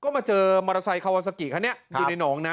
มาเจอมอเตอร์ไซค์ค้าวาสักิครับเนี่ย